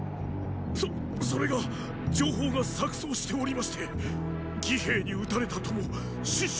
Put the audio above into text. そそれが情報が錯綜しておりまして魏兵に討たれたとも秦将